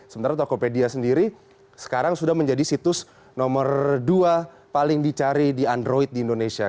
sementara tokopedia sendiri sekarang sudah menjadi situs nomor dua paling dicari di android di indonesia